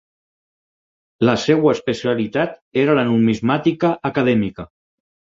La seva especialitat era la numismàtica acadèmica.